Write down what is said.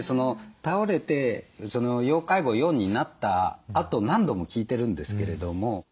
倒れて要介護４になったあと何度も聞いてるんですけれども